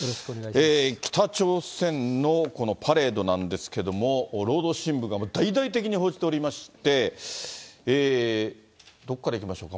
北朝鮮のこのパレードなんですけども、労働新聞が大々的に報じておりまして、どこからいきましょうか。